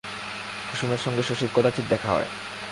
কুসুমের সঙ্গে শশীর কদাচিৎ দেখা হয়।